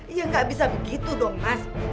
ya gak bisa begitu dong mas